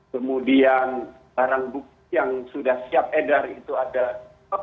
kemudian barang bukti yang sudah siap edar itu ada empat puluh lima ribu putir